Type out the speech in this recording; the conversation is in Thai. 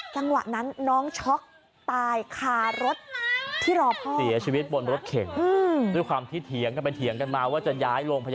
จังหวะนั้นน้องช็อกตายคารถที่รอพ่อ